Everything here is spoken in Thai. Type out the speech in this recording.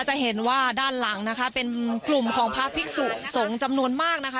จะเห็นว่าด้านหลังนะคะเป็นกลุ่มของพระภิกษุสงฆ์จำนวนมากนะคะ